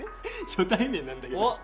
初対面なんだけどおっ！